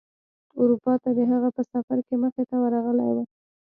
اروپا ته د هغه په سفر کې مخې ورغلی و.